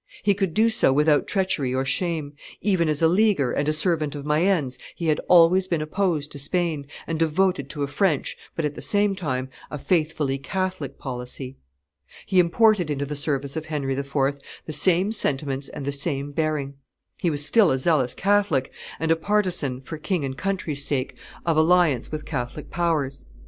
He could do so without treachery or shame; even as a Leaguer and a servant of Mayenne's he had always been opposed to Spain, and devoted to a French, but, at the same time, a faithfully Catholic policy. He imported into the service of Henry IV. the same sentiments and the same bearing; he was still a zealous Catholic, and a partisan, for king and country's sake, of alliance with Catholic powers.